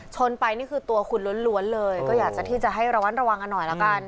ไปนี่คือตัวคุณล้วนเลยก็อยากจะที่จะให้ระวัดระวังกันหน่อยแล้วกัน